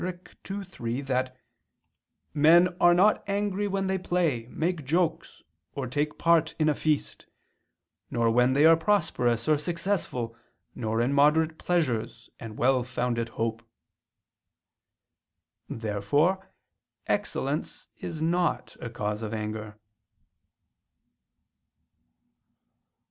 ii, 3) that "men are not angry when they play, make jokes, or take part in a feast, nor when they are prosperous or successful, nor in moderate pleasures and well founded hope." Therefore excellence is not a cause of anger.